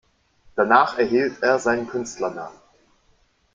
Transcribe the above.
Danach erhielt er seinen Künstlernamen.